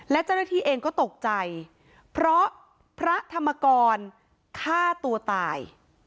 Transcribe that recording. และเจ้าหน้าที่เองก็ตกใจเพราะพระธรรมกรฆ่าตัวตาย